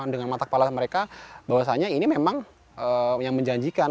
dengan mata kepala mereka bahwasannya ini memang yang menjanjikan